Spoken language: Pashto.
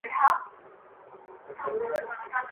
پر اټک مي رپېدلی بیرغ غواړم ,